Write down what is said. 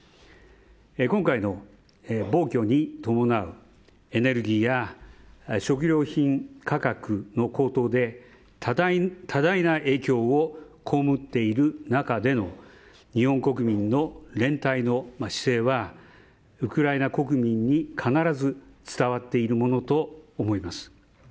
今回の暴挙に伴うエネルギーや食料品価格の高騰で多大な影響を被っている中での日本国民の連帯の姿勢はウクライナ国民に必ず伝わっているものと思います。